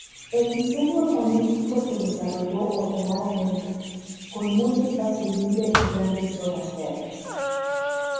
El diseño urbanístico se desarrolló ordenadamente, con mucho espacio libre y grandes zonas verdes.